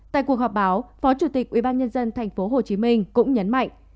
tại cuộc họp báo phó chủ tịch ubnd tp hcm cũng nhấn mạnh